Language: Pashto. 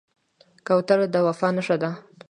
کوتره د وفا نښه ده.